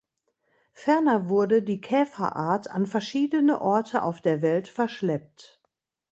Ferner wurde die Käferart an verschiedene Ort auf der Welt verschleppt.